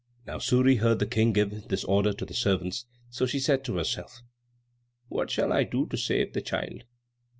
Now Suri heard the King give this order to the servants, so she said to herself, "What shall I do to save the child?"